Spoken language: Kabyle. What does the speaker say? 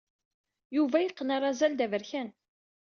Yuba yeqqen arazal d aberkan.